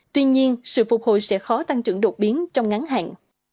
tuy nhiên sự phục hồi sẽ khó tăng trưởng đột biến trong ngắn hạn